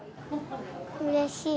うれしい。